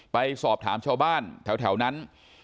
ไปสอบถามชาวบ้านแถวนั้น